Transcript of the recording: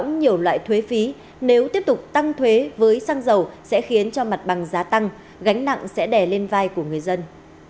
nhiều loại thuế phí nếu tiếp tục tăng thuế với xăng dầu sẽ khiến cho mặt bằng giá tăng gánh nặng sẽ đè lên vai của người dân